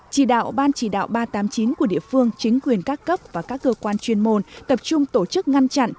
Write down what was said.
chỉ đạo ban chỉ đạo ba trăm tám mươi chín của địa phương chính quyền các cấp và các cơ quan chuyên môn tập trung tổ chức ngăn chặn